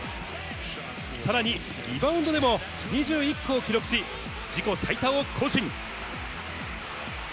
さらにリバウンドでも２１個を記録し、自己最多を更新。